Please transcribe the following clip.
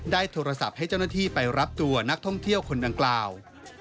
โทรศัพท์ให้เจ้าหน้าที่ไปรับตัวนักท่องเที่ยวคนดังกล่าว